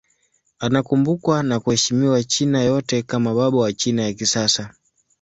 Anakumbukwa na kuheshimiwa China yote kama baba wa China ya kisasa.